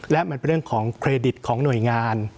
และมันเป็นเรื่องของเครดิตของหน่วยงาน